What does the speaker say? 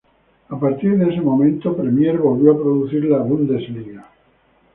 A partir de este momento, Premiere volvió a producir la Bundesliga.